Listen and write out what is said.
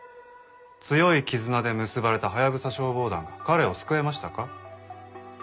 強い絆で結ばれたハヤブサ消防団が彼を救えましたか？